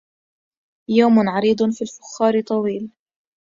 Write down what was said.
يوم عريض في الفخار طويل